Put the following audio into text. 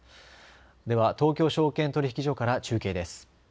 では東京証券取引所から中継です。